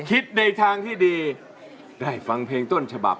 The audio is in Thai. คิดในทางที่ดีได้ฟังเพลงต้นฉบับ